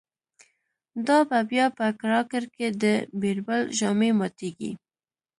دا به بیا په کړاکړ کی د« بیربل» ژامی ماتیږی